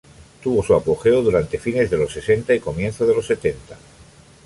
Tuvo su apogeo durante fines de los sesenta y comienzos de los setenta.